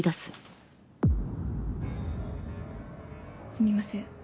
すみません。